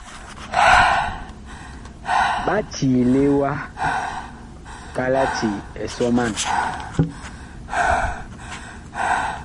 Ɓa ciile ma kalati sɔman.